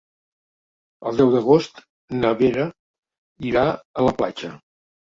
El deu d'agost na Vera irà a la platja.